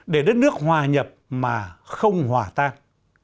để đất nước hòa nhập mà không hòa tan